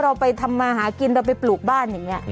เราไปทำมาหากินเราไปปลูกบ้านอย่างนี้